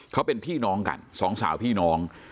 เขาเป็นพี่น้องกันสองสาวพี่น้อง